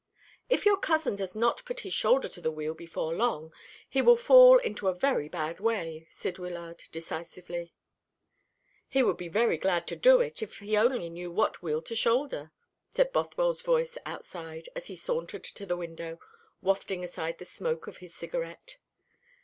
"If your cousin does not put his shoulder to the wheel before long he will fall into a very bad way," said Wyllard decisively. "He would be very glad to do it, if he only knew what wheel to shoulder," said Bothwell's voice outside, as he sauntered to the window, wafting aside the smoke of his cigarette.